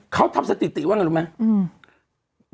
เขาทำสติติว่าอย่างนั้นรู้ไหม